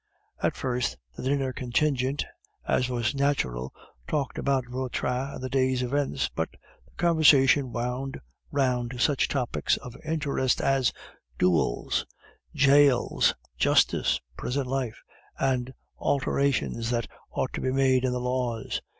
At first the dinner contingent, as was natural, talked about Vautrin and the day's events; but the conversation wound round to such topics of interest as duels, jails, justice, prison life, and alterations that ought to be made in the laws.